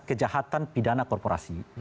kejahatan pidana korporasi